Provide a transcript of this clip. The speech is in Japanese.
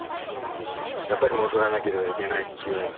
やっぱり戻らなければいけないっていう